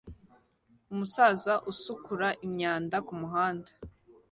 Umusaza usukura imyanda kumuhanda